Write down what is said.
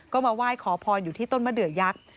ก็มาไหว้ขอพรอยู่ที่ต้นมะเดือยักษ์